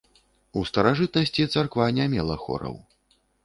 У старажытнасці царква не мела хораў.